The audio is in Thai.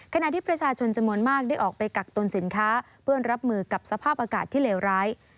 ขณะที่ประชาชนจำนวนมากได้ออกไปกักตุลสินค้าเพื่อรับมือกับสภาพอากาศที่เลวร้าย